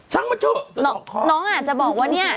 ชั้นมาช่วยจะออกขอน้องอาจจะบอกว่าเนี่ย